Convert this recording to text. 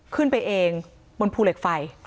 ขึ้นไปเองบนภูเหล็กไฟ